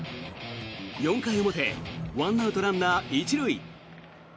４回表１アウト、ランナー１塁。